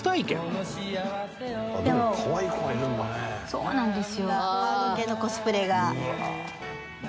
そうなんですよ。